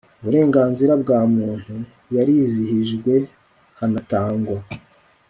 uburenganzira bwa muntu yarizihijwe hanatangwa